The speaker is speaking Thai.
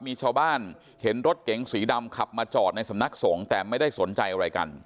มีชาวบ้านเห็นรถเก๋งสีดำขับมาจอดในสำนักสงฆ์แต่ไม่ได้สนใจอะไรกัน